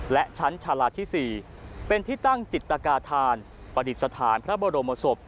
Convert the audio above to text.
และชั้นชาลาที่๔เป็นที่ตั้งจิตกาธานประดิษฐานพระบรมศพ